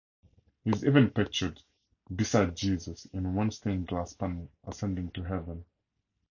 He is even pictured beside Jesus in one stained-glass panel ascending to heaven.